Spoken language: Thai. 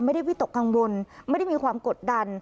วิตกกังวลไม่ได้มีความกดดัน